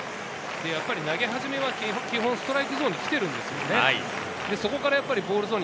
投げ始めは基本、ストライクゾーンに来ているんですよね。